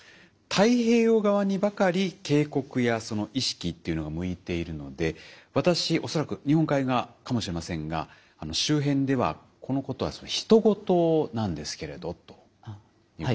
太平洋側にばかり警告や意識というのが向いているので私恐らく日本海側かもしれませんが周辺ではこのことは他人事なんですけれどということですが。